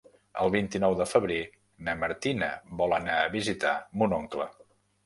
El vint-i-nou de febrer na Martina vol anar a visitar mon oncle.